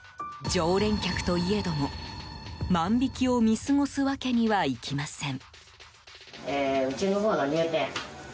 常連客といえども、万引きを見過ごすわけにはいきません。